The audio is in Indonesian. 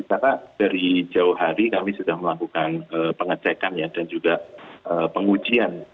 karena dari jauh hari kami sudah melakukan pengecekan dan juga pengujian